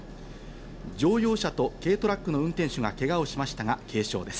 乗用車と軽トラックの運転手がけがをしましたが軽傷です。